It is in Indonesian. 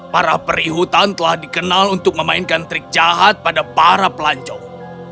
para perihutan telah dikenal untuk memainkan trik jahat pada para pelancong